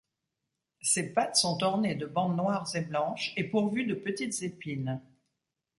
Ses pattes sont ornées de bandes noires et blanches, et pourvues de petites épines.